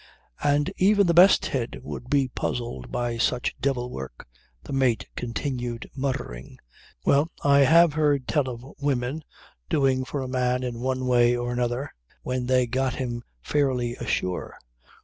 "And even the best head would be puzzled by such devil work," the mate continued, muttering. "Well, I have heard tell of women doing for a man in one way or another when they got him fairly ashore.